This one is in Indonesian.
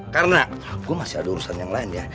karena gue masih ada urusan yang lain ya